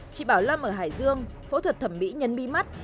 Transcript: chị bảo lâm ở hải dương phẫu thuật thẩm mỹ nhấn bi mắt